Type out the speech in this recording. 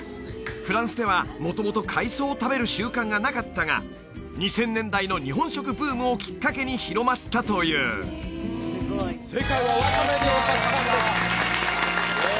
フランスでは元々海藻を食べる習慣がなかったが２０００年代の日本食ブームをきっかけに広まったという正解は「ワカメ」でよかったんです